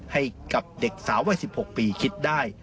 ให้กับเด็กสาววัย๑๖ปีคิดได้